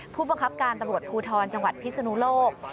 ผู้บังคับการตำรวจภูทรจังหวัดพิศนุโลก